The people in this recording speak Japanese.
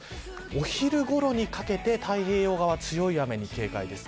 お昼ごろにかけて太平洋側、強い雨に警戒です。